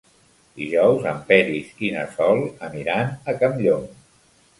Dijous en Peris i na Sol aniran a Campllong.